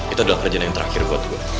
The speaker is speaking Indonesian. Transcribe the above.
itu adalah kerjaan yang terakhir buat gue